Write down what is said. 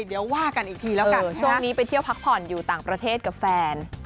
เดี๋ยวว่ากันอีกทีแล้วกันช่วงนี้ไปเที่ยวพักผ่อนอยู่ต่างประเทศกับแฟน